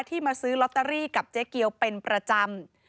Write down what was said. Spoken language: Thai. มาซื้อลอตเตอรี่กับเจ๊เกียวเป็นประจำ